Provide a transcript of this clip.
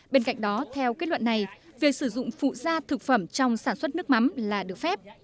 bên cạnh đó theo kết luận này việc sử dụng phụ gia thực phẩm trong sản xuất nước mắm là được phép